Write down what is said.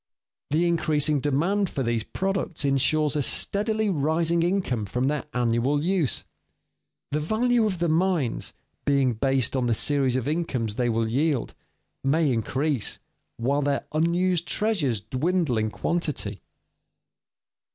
The increasing demand for these products insures a steadily rising income from their annual use. The value of the mines, being based on the series of incomes they will yield, may increase while their unused treasures dwindle in quantity.